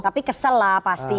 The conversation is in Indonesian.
tapi kesel lah pasti